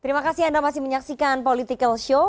terima kasih anda masih menyaksikan political show